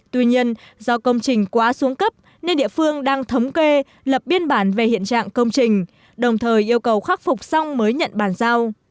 tuy nhiên do công trình quá xuống cấp nên địa phương đang thống kê lập biên bản về hiện trạng công trình đồng thời yêu cầu khắc phục xong mới nhận bàn giao